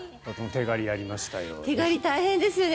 手刈り大変ですよね